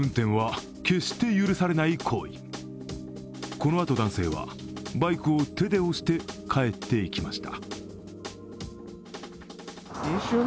このあと、男性はバイクを手で押して帰っていきました。